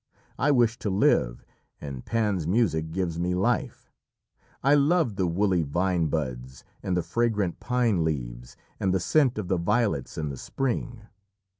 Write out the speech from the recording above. "I wish to live, and Pan's music gives me life. I love the woolly vine buds and the fragrant pine leaves, and the scent of the violets in the spring.